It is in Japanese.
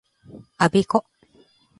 我孫子